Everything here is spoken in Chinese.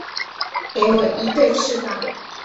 给我一对翅膀